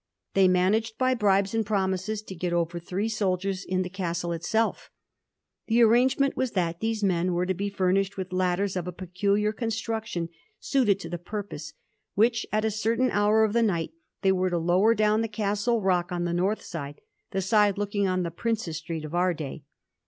They managed by bribes and promises to get over three soldiers in the Castle itself. The arrangement was that these men were to be furnished with ladders of a peculiar con atruction suited to the purpose, which, at a certain hour of the night, they were to lower down the Castle rock on the north side — ^the side looking on the Prince's Street of our day.